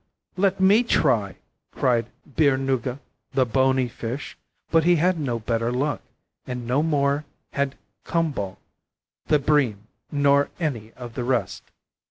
'Let me try,' cried Biernuga, the bony fish, but he had no better luck, and no more had Kumbal, the bream, nor any of the rest.